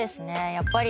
やっぱり。